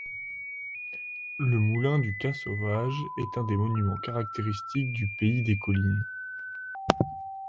Le moulin du Cat Sauvage est un des monuments caractéristiques du pays des Collines.